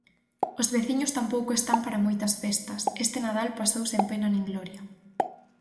Os veciños tampouco están para moitas festas, este Nadal pasou sen pena nin gloria.